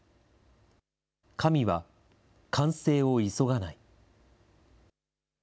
神は完成を急がない。